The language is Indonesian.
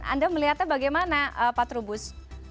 anda melihatnya bagaimana pak trubus